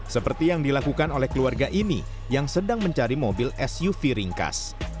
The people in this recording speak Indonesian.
seperti yang dilakukan oleh keluarga ini yang sedang mencari mobil suv ringkas